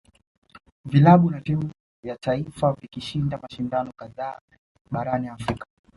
Vilabu na timu ya taifa vikishinda mashindano kadhaa barani Afrika